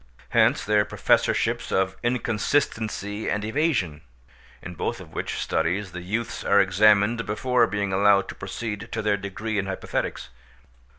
Hence their professorships of Inconsistency and Evasion, in both of which studies the youths are examined before being allowed to proceed to their degree in hypothetics.